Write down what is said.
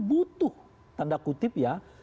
butuh tanda kutip ya